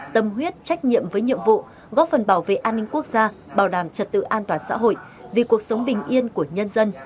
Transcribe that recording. tâm huyết trách nhiệm với nhiệm vụ góp phần bảo vệ an ninh quốc gia bảo đảm trật tự an toàn xã hội vì cuộc sống bình yên của nhân dân